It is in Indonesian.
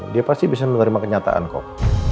dia pasti bisa menerima kenyataan kok